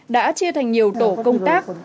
đã chia thành nhiều tổ công tác